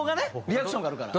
リアクションがあるから。